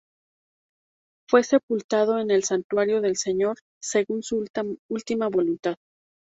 Fue sepultado en el Santuario del Señor, según su última voluntad.